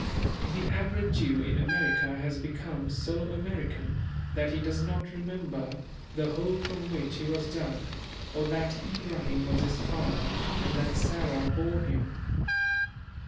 The average Jew in America has become so American that he does not remember the hole from which he was dug, or that Abraham was his father and that Sarah bore him.